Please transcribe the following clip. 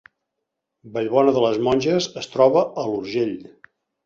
Vallbona de les Monges es troba a l’Urgell